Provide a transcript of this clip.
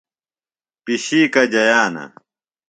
پِشیکہ جیانہ۔